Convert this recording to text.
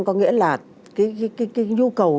có nghĩa là cái nhu cầu